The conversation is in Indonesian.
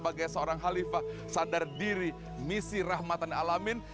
dan sebagai seorang halifah sadar diri misi rahmatan alamin